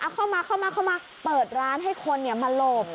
เข้ามาเปิดร้านให้คนมาหลบ